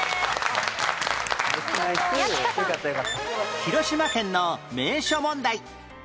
広島県の名所問題